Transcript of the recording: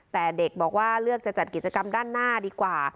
แต่เด็กบอกว่าเลือกจะจัดกิจกรรมด้านหน้าดีกว่า